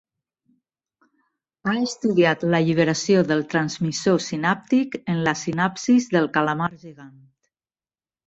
Ha estudiat l'alliberació del transmissor sinàptic en la sinapsis del calamar gegant.